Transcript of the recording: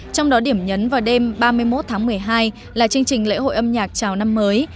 trong đó điểm nhấn vào đêm ba mươi một tháng một mươi hai là chương trình lễ hội âm nhạc chào năm mới